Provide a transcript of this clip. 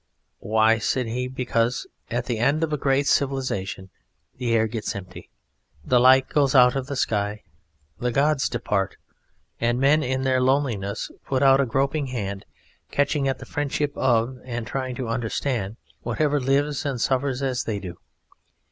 "Why," said he, "because at the end of a great civilisation the air gets empty, the light goes out of the sky, the gods depart, and men in their loneliness put out a groping hand, catching at the friendship of, and trying to understand, whatever lives and suffers as they do.